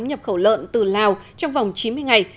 nhập khẩu lợn từ lào trong vòng chín mươi ngày